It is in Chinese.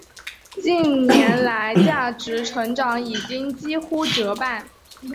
近年来价值成长已经几乎折半。